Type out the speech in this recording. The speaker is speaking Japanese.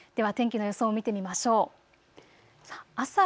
では天気の予想を見てみましょう。